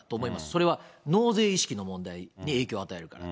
それは納税意識の問題に影響を与えるから。